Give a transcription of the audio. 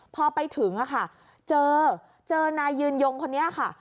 พอไปถึงค่ะเจอเจอนายยืนยงคนนี้ค่ะ